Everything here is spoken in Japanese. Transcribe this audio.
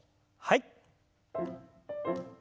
はい。